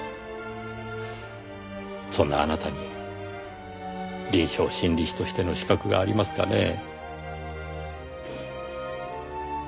果たしてそんなあなたに臨床心理士としての資格がありますかねぇ？